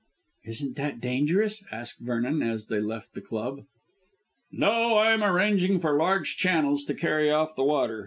"Isn't that dangerous?" asked Vernon as they left the club. "No. I am arranging for large channels to carry off the water.